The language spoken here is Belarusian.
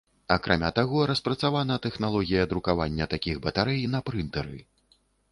Акрамя таго, распрацавана тэхналогія друкавання такіх батарэй на прынтэры.